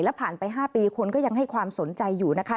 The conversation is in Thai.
ผ่านไป๕ปีคนก็ยังให้ความสนใจอยู่นะคะ